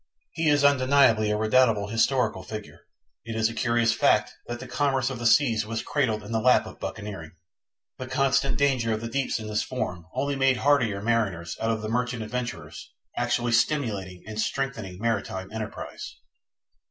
He is undeniably a redoubtable historical figure. It is a curious fact that the commerce of the seas was cradled in the lap of buccaneering. The constant danger of the deeps in this form only made hardier mariners out of the merchant adventurers, actually stimulating and strengthening maritime enterprise.